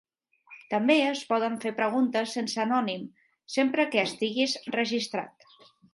També es poden fer preguntes sense anònim, sempre que estiguis registrat.